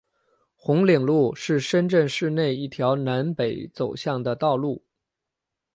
红岭路是深圳市内一条南北走向的道路。